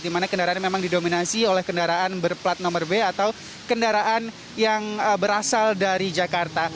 di mana kendaraan memang didominasi oleh kendaraan berplat nomor b atau kendaraan yang berasal dari jakarta